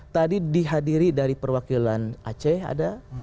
tadi dihadiri dari perwakilan aceh ada